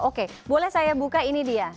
oke boleh saya buka ini dia